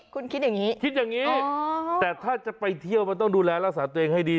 คุณคิดอย่างนี้คิดอย่างนี้แต่ถ้าจะไปเที่ยวมันต้องดูแลรักษาตัวเองให้ดี